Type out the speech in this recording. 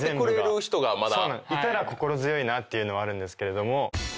いたら心強いなっていうのはあるんですけれども。